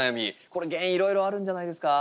これ原因いろいろあるんじゃないですか？